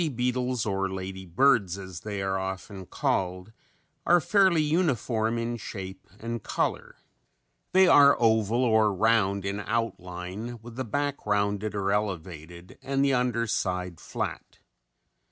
] The lady beetles, or lady birds as they are often called, are fairly uniform in shape and color. They are oval or round in outline with the back rounded or elevated and the underside flat.